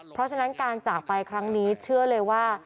เพราะฉะนั้นการจากไปครั้งนี้เชื่อเลยว่า